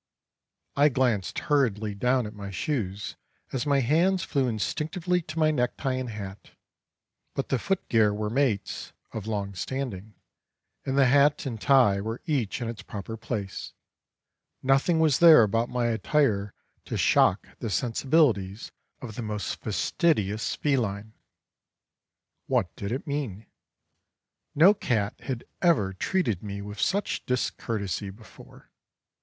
I glanced hurriedly down at my shoes as my hands flew instinctively to my necktie and hat, but the foot gear were mates (of long standing) and the hat and tie were each in its proper place; nothing was there about my attire to shock the sensibilities of the most fastidious feline! What did it mean? No cat had ever treated me with such discourtesy before.